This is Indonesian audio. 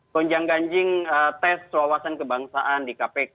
konjang ganjing tes keawasan kebangsaan di kpk